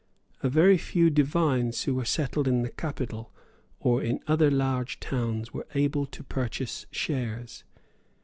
A very few divines who were settled in the capital or in other large towns were able to purchase shares.